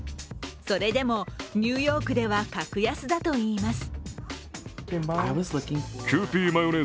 それでも、ニューヨークでは格安だといいます。